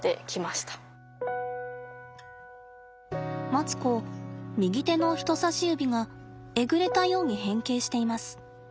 マツコ右手の人さし指がえぐれたように変形しています。